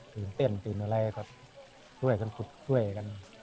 ตื่นเต้นตื่นอะไรครับช่วยกันขุดช่วยกัน